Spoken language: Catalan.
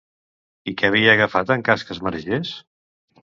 I què havia agafat en cas que es maregés?